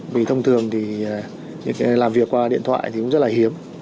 vì thông thường thì những người làm việc qua điện thoại thì cũng rất là hiếm